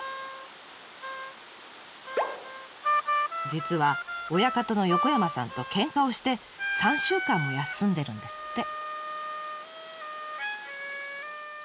実は親方の横山さんとケンカをして３週間も休んでるんですって。